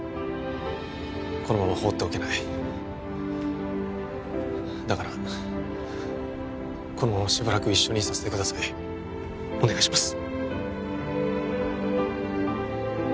このまま放っておけないだからこのまましばらく一緒にいさせてくださいお願いします